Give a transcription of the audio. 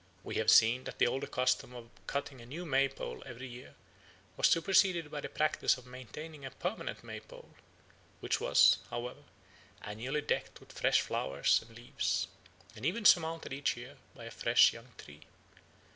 We have seen that the older custom of cutting a new May tree every year was superseded by the practice of maintaining a permanent May pole, which was, however, annually decked with fresh leaves and flowers, and even surmounted each year by a fresh young tree.